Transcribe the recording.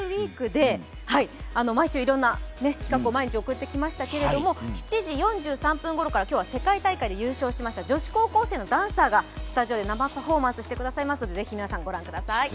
ＷＥＥＫで毎週いろいろな企画を毎日送ってきましたけれども、７時４３分ごろから今日は世界大会で優勝しました女子高校生のダンサーがスタジオで生パフォーマンスしてください